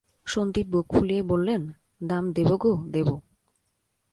সন্দীপ বুক ফুলিয়ে বললেন, দাম দেব গো দেব।